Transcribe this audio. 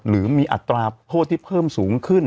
หรือมีอัตราโทษที่เพิ่มสูงขึ้น